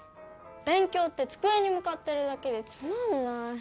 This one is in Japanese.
べん強ってつくえにむかってるだけでつまんない。